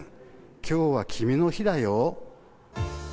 今日は君の日だよ。